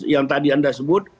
lima belas yang tadi anda sebut